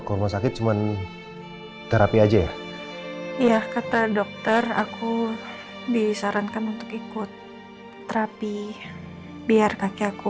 ke rumah sakit cuman terapi aja ya kata dokter aku disarankan untuk ikut terapi biar kaki aku